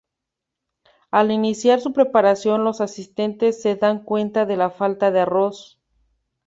Al iniciar su preparación los asistentes se dan cuenta de la falta del arroz.